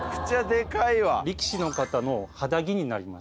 力士の方の肌着になります。